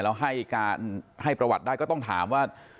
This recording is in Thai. แล้วให้ประวัติได้ก็ต้องถามว่า